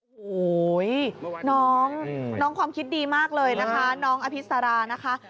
โอ้โหน้องความคิดดีมากเลยนะคะน้องอภิษรานะคะ